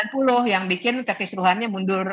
putusan sembilan puluh yang bikin kekisruhannya mundur